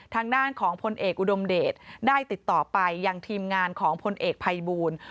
ทางด้านของพลเอกอุดมเดชได้ติดต่อไปยังทีมงานของพลเอกภัยบูล